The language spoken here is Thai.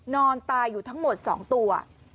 นอนตายอยู่ทั้งหมด๒ตัว